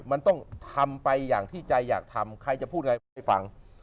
มันต้องทำไปอย่างที่ใจอยากทำใครจะพูดอะไรผมไปฟัง